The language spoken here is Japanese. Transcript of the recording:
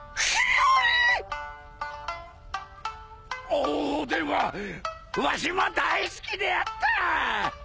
おでんはわしも大好きであった！